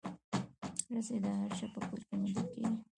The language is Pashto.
رسۍ د هر چا په کور کې موندل کېږي.